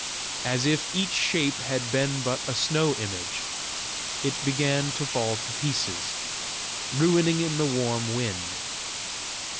As if each shape had been but a snow image, it began to fall to pieces, ruining in the warm wind.